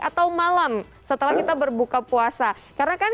atau malam setelah kita berbuka puasa karena kan